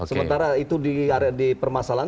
sementara itu di permasalahan